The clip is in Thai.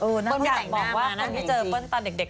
เออหน้าต้องแต่งหน้ามาอยากบอกว่าคนที่เจอเปิ้ลตอนเด็กเด็กอ่ะ